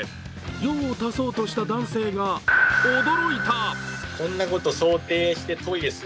用を足そうとした男性が驚いた。